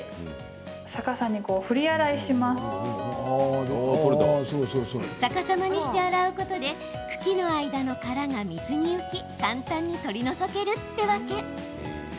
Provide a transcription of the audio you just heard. この下の部分を持って逆さまにして洗うことで茎の間の殻が水に浮き簡単に取り除けるってわけ。